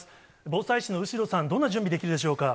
防災士の後呂さん、どんな準備できるでしょうか。